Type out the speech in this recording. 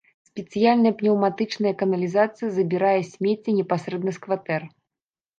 Спецыяльная пнеўматычная каналізацыя забірае смецце непасрэдна з кватэр.